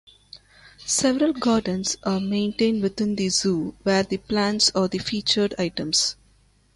Several gardens are maintained within the zoo, where the plants are the featured items.